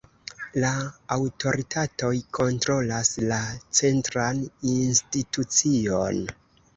La aŭtoritatoj kontrolas la centran institucion.